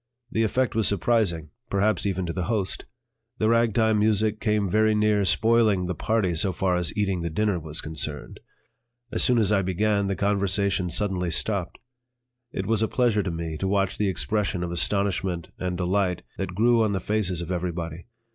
The effect was surprising, perhaps even to the host; the ragtime music came very near spoiling the party so far as eating the dinner was concerned. As soon as I began, the conversation suddenly stopped. It was a pleasure to me to watch the expression of astonishment and delight that grew on the faces of everybody.